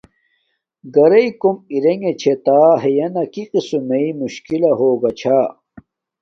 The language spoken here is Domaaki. گارݵ کوم دیگے چھے تہ ہیانا کی قسم مݵ مشکیل ہوگا چھا۔